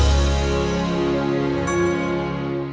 sampai jumpa lagi